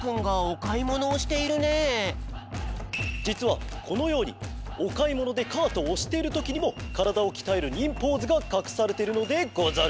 じつはこのようにおかいものでカートをおしているときにもからだをきたえる忍ポーズがかくされてるのでござる。